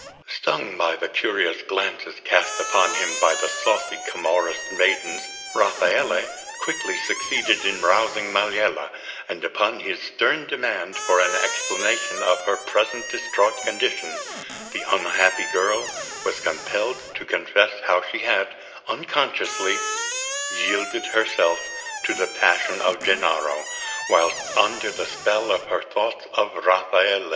Stung by the curious glances cast upon him by the saucy Camorrist maidens, Rafaele quickly succeeded in rousing Maliella; and upon his stern demand for an explanation of her present distraught condition, the unhappy girl was compelled to confess how she had, unconsciously, yielded herself to the passion of Gennaro whilst under the spell of her thoughts of Rafaele.